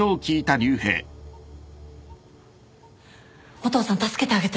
お父さん助けてあげて。